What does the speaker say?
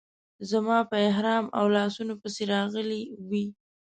زما په احرام او لاسونو پسې راغلې وې.